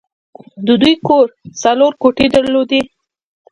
د دوی کور څلور کوټې درلودې